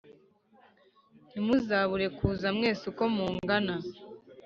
Ntimuzabure kuza mwese uko mungana